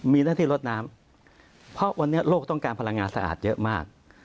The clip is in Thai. มีหน้าที่ลดน้ำเพราะวันนี้โลกต้องการพลังงานสะอาดเยอะมาก